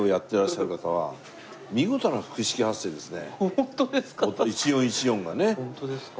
ホントですか？